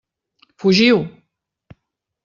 Fugiu!